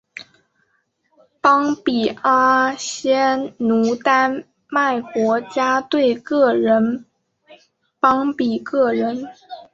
邦比阿仙奴丹麦国家队个人邦比个人